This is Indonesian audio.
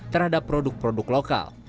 terhadap produk produk lokal